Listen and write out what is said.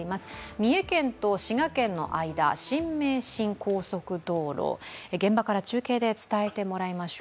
三重県と滋賀県の間、新名神高速道路、現場から中継で伝えてもらいましょう。